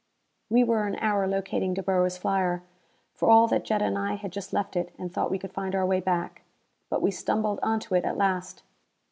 We were an hour locating De Boer's flyer, for all that Jetta and I had just left it and thought we could find our way back. But we stumbled onto it at last.